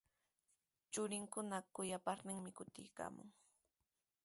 Churinkuna kuyaparninmi kutiykaamun.